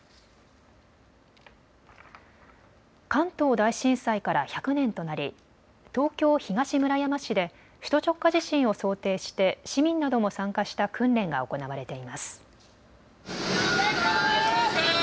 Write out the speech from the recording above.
関東大震災から１００年となり東京東村山市で首都直下地震を想定して市民なども参加した訓練が行われています。